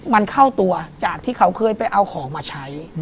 มันเข้าตัวจากที่เขาเคยไปเอาของมาใช้